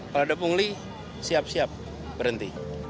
kalau ada pungli siap siap berhenti